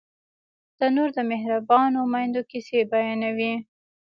تنور د مهربانو میندو کیسې بیانوي